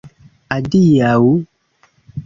Adiaŭ!